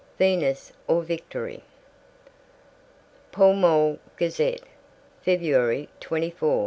VENUS OR VICTORY (Pall Mall Gazette, February 24, 1888.)